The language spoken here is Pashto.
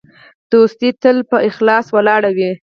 دوستي تل په اخلاص ولاړه وي.